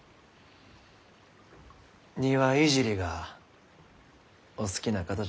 庭いじりがお好きな方じゃったき。